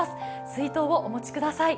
水筒をお持ちください。